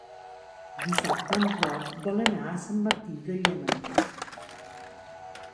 Dissabte en Roc vol anar a Sant Martí de Llémena.